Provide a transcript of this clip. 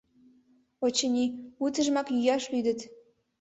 Очыни, утыжымак йӱаш лӱдыт.